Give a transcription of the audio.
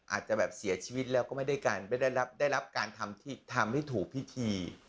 อาจจะแบบเสียชีวิตแล้วก็ไม่ได้รับการทำที่ถูกพิธี